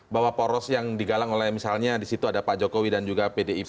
bahwa poros yang digalang oleh misalnya di situ ada pak jokowi dan juga pdip